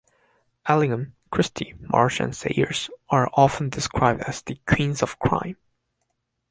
Allingham, Christie, Marsh and Sayers are often described as the "Queens of Crime".